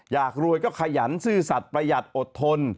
อยากรวยก็ขยันซื่อสัตว์ประหยัดอดทน